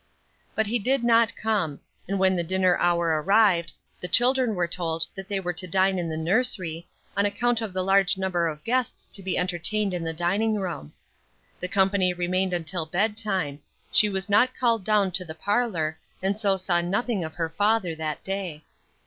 But he did not come; and when the dinner hour arrived, the children were told that they were to dine in the nursery, on account of the large number of guests to be entertained in the dining room. The company remained until bedtime; she was not called down to the parlor; and so saw nothing of her father that day.